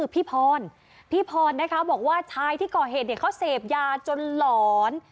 พี่พรพี่พรนะคะบอกว่าชายที่ก่อเหตุเขาเสพยาจนหลอน